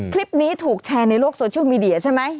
คลิปนี้ถูกแชร์ในโลกโซเชียลมีเดียใช่ไหม